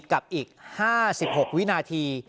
กับอีก๕๖วินาที